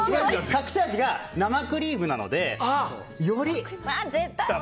隠し味が生クリームなので、より。